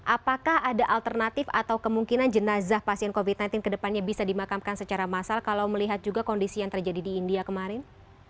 apakah ada alternatif atau kemungkinan jenazah pasien covid sembilan belas kedepannya bisa dimakamkan secara massal kalau melihat juga kondisi yang terjadi di india kemarin